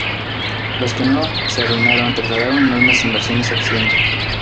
Los que no se arruinaron trasladaron enormes inversiones a Occidente.